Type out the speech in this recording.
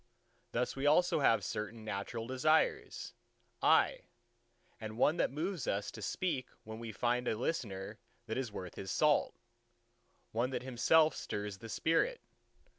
Thus we also have certain natural desires, aye, and one that moves us to speak when we find a listener that is worth his salt: one that himself stirs the spirit.